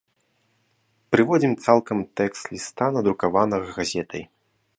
Прыводзім цалкам тэкст ліста, надрукаванага газетай.